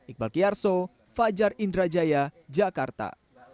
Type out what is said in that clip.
iqbal kiyarso fajar indrajaya jakarta